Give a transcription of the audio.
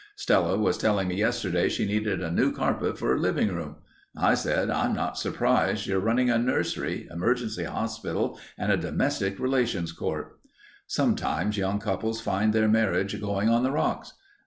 Stella was telling me yesterday she needed a new carpet for her living room. I said, 'I'm not surprised. You're running a nursery, emergency hospital, and a domestic relations court.' Sometimes young couples find their marriage going on the rocks.